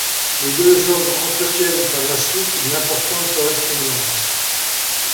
Les deux hommes entretiennent par la suite une importante correspondance.